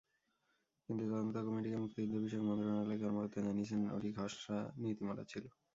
কিন্তু তদন্ত কমিটিকে মুক্তিযুদ্ধবিষয়ক মন্ত্রণালয়ের কর্মকর্তারা জানিয়েছেন, ওটি খসড়া নীতিমালা ছিল।